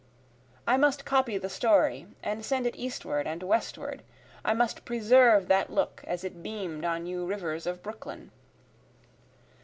I must copy the story, and send it eastward and westward, I must preserve that look as it beam'd on you rivers of Brooklyn.